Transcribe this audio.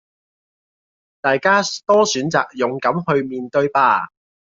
大家多選擇勇敢去面對吧！